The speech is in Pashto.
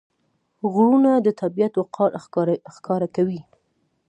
غرونه د طبیعت وقار ښکاره کوي.